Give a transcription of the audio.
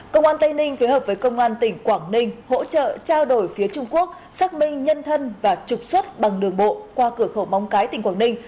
công an tây ninh phối hợp với công an tỉnh quảng ninh hỗ trợ trao đổi phía trung quốc xác minh nhân thân và trục xuất bằng đường bộ qua cửa khẩu móng cái tỉnh quảng ninh